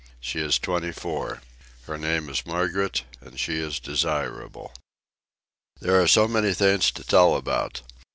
She is twenty four. Her name is Margaret, and she is desirable. There are so many things to tell about.